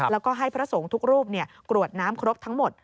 แล้วก็ให้พระสงฆ์ทุกรูปกรวดน้ำครบทั้งหมด